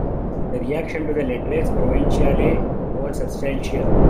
The reaction to the "Lettres provinciales" was substantial.